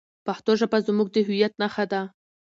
پښتو ژبه زموږ د هویت نښه ده.